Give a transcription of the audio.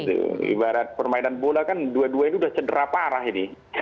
itu ibarat permainan bola kan dua duanya sudah cedera parah ini